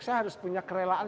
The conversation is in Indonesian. saya harus punya kerelaan